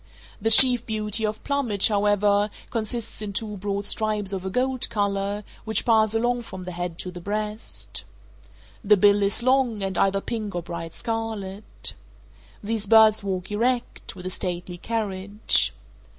The chief beauty of plumage, however, consists in two broad stripes of a gold color, which pass along from the head to the breast. The bill is long, and either pink or bright scarlet. These birds walk erect; with a stately carriage.